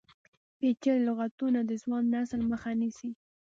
پیچلي لغتونه د ځوان نسل مخه نیسي.